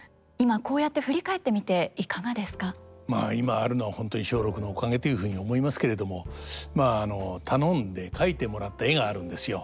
まあ今あるのは本当に松緑のおかげというふうに思いますけれどもまあ頼んで描いてもらった絵があるんですよ。